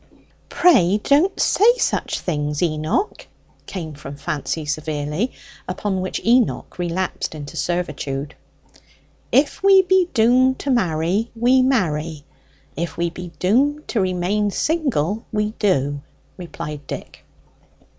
"Pray don't say such things, Enoch," came from Fancy severely, upon which Enoch relapsed into servitude. "If we be doomed to marry, we marry; if we be doomed to remain single, we do," replied Dick.